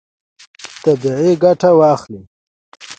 طبیعي ګټه واخلئ.